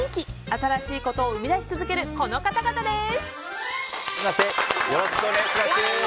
新しいことを生み出し続けるこの方々です。